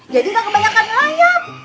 jadi gak kebanyakan ngelayap